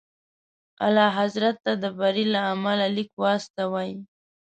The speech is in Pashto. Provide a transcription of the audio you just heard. اعلیحضرت ته د بري له امله لیک واستوئ.